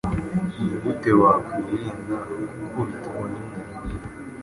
Ni gute wakwirinda gukubitwa n’ inkuba?